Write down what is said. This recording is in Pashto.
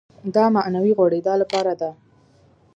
دا معنوي غوړېدا لپاره ده.